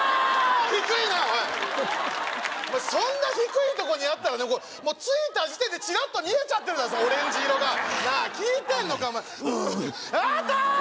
低いなおいそんな低いとこにあったらね着いた時点でチラッと見えちゃってるだろオレンジ色がなあ聞いてんのかお前あったー！